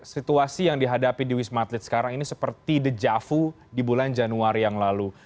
situasi yang dihadapi di wisma atlet sekarang ini seperti the jafu di bulan januari yang lalu